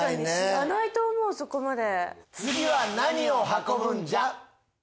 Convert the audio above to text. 知らないと思うそこまで。